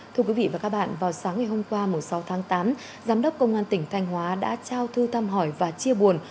thưa quý vị và các bạn vào sáng ngày hôm qua sáu tháng tám giám đốc công an tỉnh thanh hóa đã trao thư thăm hỏi và chia buồn